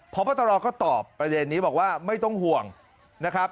พบตรก็ตอบประเด็นนี้บอกว่าไม่ต้องห่วงนะครับ